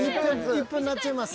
１分なっちゃいます。